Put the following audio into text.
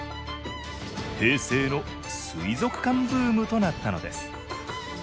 平成の水族館ブームとなったのです。